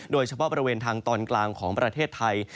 โดยเฉพาะบริเวณทางตอนกลางของประเทศไทย